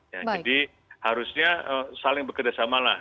jadi harusnya saling bekerja sama lah